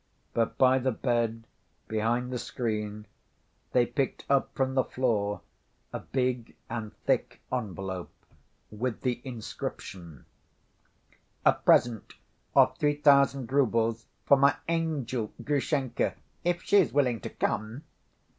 But by the bed, behind the screen, they picked up from the floor a big and thick envelope with the inscription: "A present of three thousand roubles for my angel Grushenka, if she is willing to come."